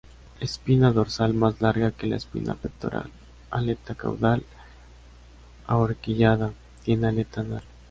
Espina dorsal más larga que la espina pectoral; aleta caudal ahorquillada; tiene aleta anal.